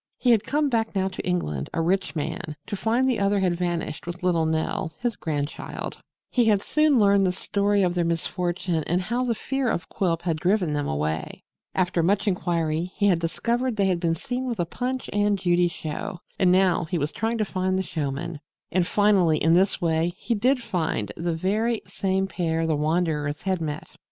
He had come back now to England, a rich man, to find the other had vanished with little Nell, his grandchild. He had soon learned the story of their misfortune and how the fear of Quilp had driven them away. After much inquiry he had discovered they had been seen with a Punch and Judy show and now he was trying to find the showmen. And finally, in this way, he did find the very same pair the wanderers had met!